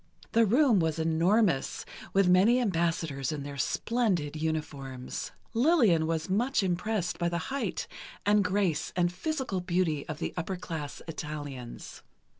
The room was enormous, with many ambassadors in their splendid uniforms. Lillian was much impressed by the height and grace and physical beauty of the upper class Italians.